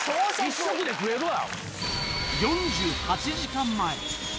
１食で食えるわ！